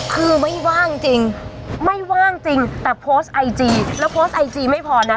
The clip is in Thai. คือไม่ว่างจริงไม่ว่างจริงแต่โพสต์ไอจีแล้วโพสต์ไอจีไม่พอนะ